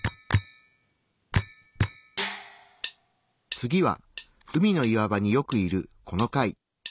次は海の岩場によくいるこの貝。